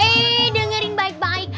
eh dengerin baik baik